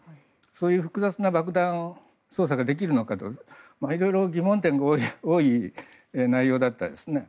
そういう複雑な爆弾操作ができるのかといろいろ疑問点が多い内容だったですね。